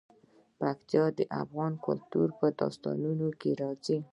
پکتیکا د افغان کلتور په داستانونو کې راځي.